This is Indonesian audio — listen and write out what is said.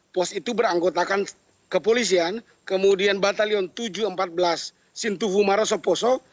pos itu beranggotakan kepolisian kemudian batalion tujuh ratus empat belas sintu humaroso poso